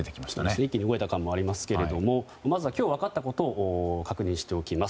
一気に動いた感がありますがまずは今日、分かったことを確認しておきます。